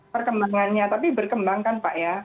perkembangannya tapi berkembang kan pak ya